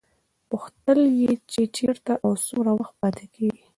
پوښتل یې چې چېرته او څومره وخت پاتې کېږي.